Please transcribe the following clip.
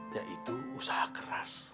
yaitu usaha keras